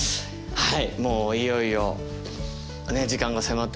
はい。